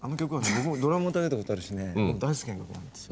僕もドラムもたたいたことあるしね大好きな曲なんですよ。